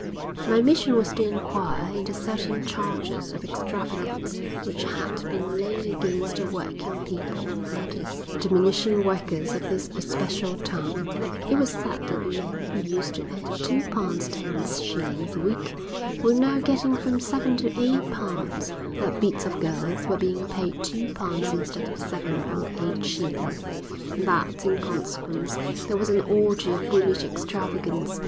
My mission was to inquire into certain charges of extravagance which had been laid against the working people, that is, the munition workers of this especial town. It was said that the men who used to earn £2 10s. a week were now getting from seven to eight pounds, that "bits of girls" were being paid two pounds instead of seven or eight shillings, and that, in consequence, there was an orgy of foolish extravagance.